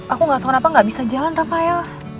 aku gak tau kenapa nggak bisa jalan rafael